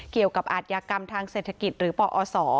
เกี่ยวกับอาชญากรรมทางเศรษฐกิจหรือปอส